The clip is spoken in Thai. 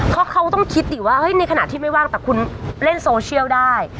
เพราะเขาต้องคิดดิว่าในขณะที่ไม่ว่างแต่คุณเล่นโซเชียลได้